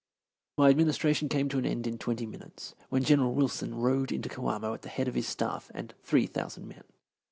My administration came to an end in twenty minutes, when General Wilson rode into Coamo at the head of his staff and three thousand men.